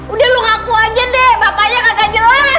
udah lo ngaku aja deh bapaknya kagak jelas